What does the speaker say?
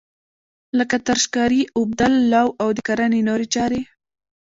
لکه تراشکاري، اوبدل، لو او د کرنې نورې چارې.